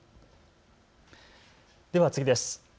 では次です。